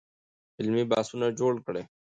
علمي بحثونه جوړ کړئ.